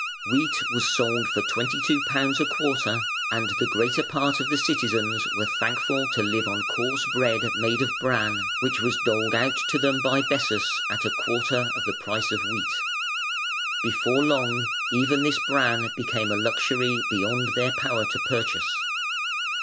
Wheat was sold for £22 a quarter, and the greater part of the citizens were thankful to live on coarse bread made of bran, which was doled out to them by Bessas at a quarter of the price of wheat. Before long even this bran became a luxury beyond their power to purchase.